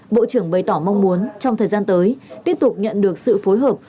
bộ trưởng bày tỏ mong muốn trong thời gian tới tiếp tục nhận được sự phối hợp